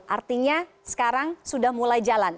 artinya sekarang sudah mulai jalan